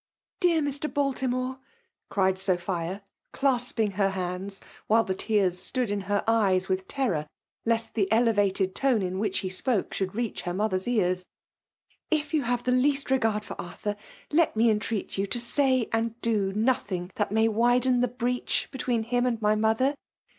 Dear Mr. Baltimore !" cried Sophia, clasp ing her hands, while the tears stood in her eyes with terror, lest the elevated tone in which h^ spoke should reach her mothers ears; ''if you have the least regard for Arthur, let me entreat you to say and do nothing that may widen the breach between him and my mother.